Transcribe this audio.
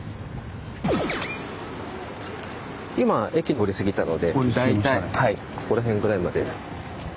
今駅通り過ぎたので大体ここら辺ぐらいまで。